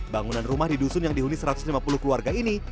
bangunan rumah di dusun yang dihuni satu ratus lima puluh keluarga ini